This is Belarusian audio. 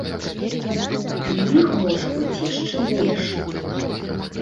І іх можа быць яшчэ больш.